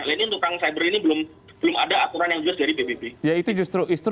lainnya untuk perang cyber ini belum ada aturan yang jelas dari pbb